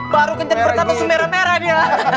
baru kencet bertatus merah merah dia